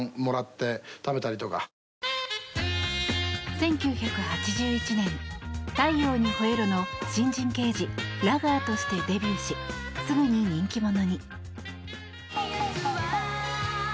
１９８１年「太陽にほえろ！」の新人刑事ラガーとしてデビューしすぐに人気者に。